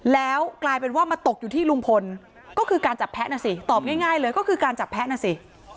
แล้วกลายเป็นว่ามาตกอยู่ที่ลุงพลก็คือการจับแพ้นะสิตอบง่ายเลยก็คือการจับแพ้นะสิ